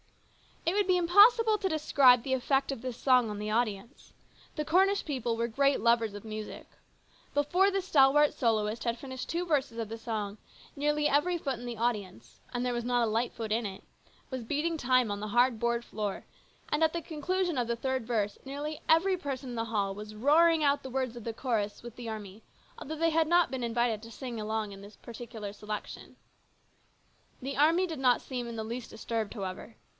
It would be impossible to describe the effect of this song on the audience. The Cornish people were great lovers of music. Before the stalwart soloist had finished two verses of the song, nearly every foot in the audience, and there was not a light foot in it, was beating time on the hard board floor, and at the conclusion of the third verse nearly every person in the hall was roaring out the words of the chorus with 142 HIS BROTHER'S KEEPER. the army, although they had not been invited to sing in this particular selection. The army did not seem in the least disturbed however.